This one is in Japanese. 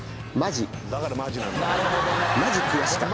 マジくやしかった。